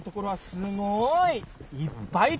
すごい！